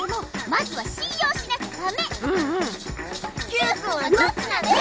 Ｑくんはどっちなんだよ！